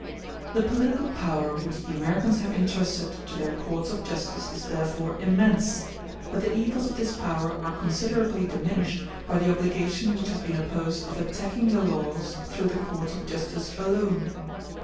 The political power which the Americans have intrusted to their courts of justice is therefore immense, but the evils of this power are considerably diminished by the obligation which has been imposed of attacking the laws through the courts of justice alone.